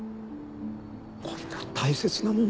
こんな大切なもの